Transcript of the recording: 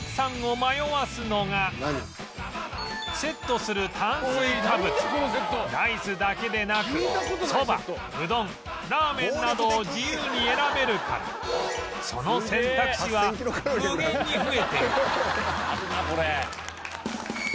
セットする炭水化物ライスだけでなくそばうどんラーメンなどを自由に選べるからその選択肢は無限に増えていく